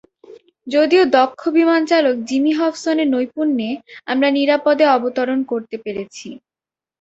যদিও দক্ষ বিমান চালক জিমি হবসনের নৈপুণ্যে আমরা নিরাপদে অবতরণ করতে পেরেছি।